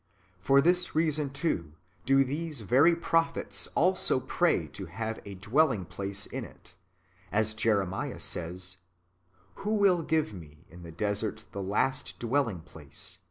For this reason, too, do these very men (the prophets) also pray to have a dwelling place in it, as Jeremiah says, " Who will give me in the desert the last dwelling place